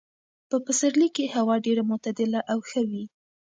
په پسرلي کې هوا ډېره معتدله او ښه وي.